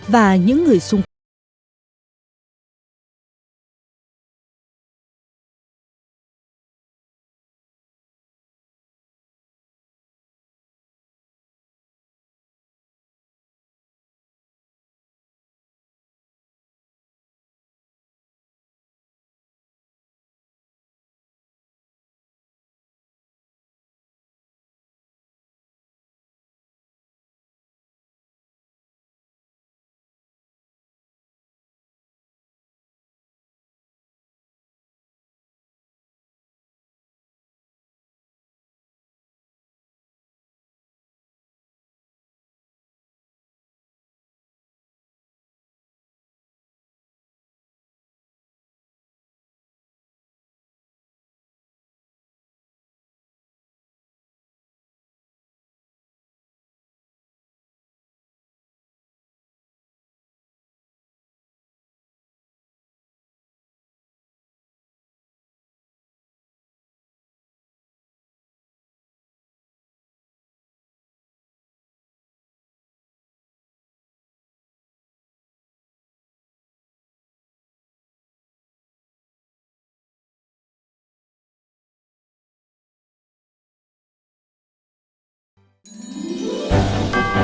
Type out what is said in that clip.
và những người xung quanh